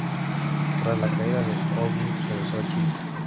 Tras la caída de O’Higgins, regresó a Chile.